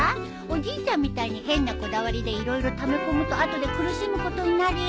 おじいちゃんみたいに変なこだわりで色々ためこむと後で苦しむことになるよ。